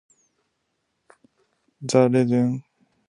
The region which is Herzegovina forms a part of the Dinaric Alps.